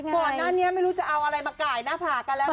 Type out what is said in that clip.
ก่อนหน้านี้ไม่รู้จะเอาอะไรมาก่ายหน้าผากันแล้ว